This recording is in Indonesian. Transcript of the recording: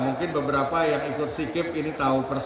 mungkin beberapa yang ikut sikip ini tahu persis